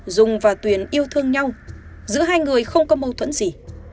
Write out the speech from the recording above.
dung và tuyền yêu thương nhau giữa hai người không có mâu thuẫn gì